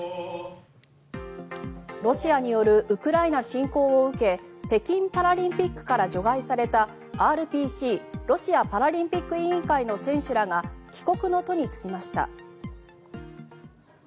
ロシアによるウクライナ侵攻を受け北京パラリンピックから除外されたＲＰＣ・ロシアパラリンピック委員会の選手らが帰国の途に就きました。